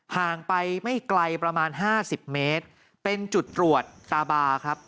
ห่างไปไม่ไกลประมาณห้าสิบเมตรเป็นจุดตรวจตาบาครับ